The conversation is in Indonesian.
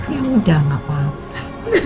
ya udah gak apa apa